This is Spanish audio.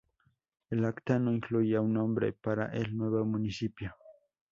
El Acta no incluía un nombre para el nuevo municipio.